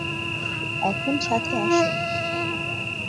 এখন সাথে আসো।